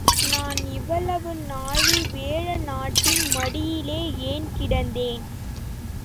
நான் இவ்வளவு நாழி வேழநாட்டின் மடியிலே ஏன் கிடந்தேன்?.